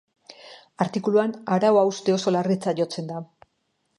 Artikuluan arau hauste oso larritzat jotzen da.